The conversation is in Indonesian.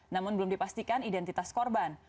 namun belum dipastikan identitas korban